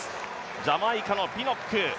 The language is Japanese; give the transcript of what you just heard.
ジャマイカのピノック。